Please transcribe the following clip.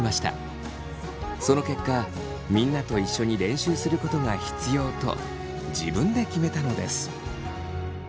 その結果みんなと一緒に練習することが必要と自分で決めたのです。